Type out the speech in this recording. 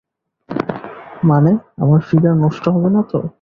মানে, আমার ফিগার নষ্ট হবে না তো?